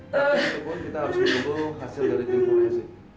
tapi kita harus menunggu hasil dari timpulnya